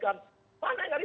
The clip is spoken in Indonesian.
mana enggak dibereskan bang